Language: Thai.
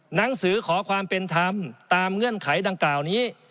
หนังสือขอความเป็นธรรมตามเงื่อนไขดังกล่าวนี้